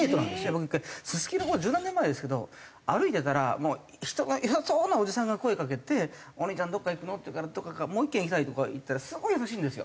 僕一回すすきのの方十何年前ですけど歩いてたら人が良さそうなおじさんが声かけてお兄ちゃんどっか行くの？って言うからもう一軒行きたいとか言ったらすごい優しいんですよ。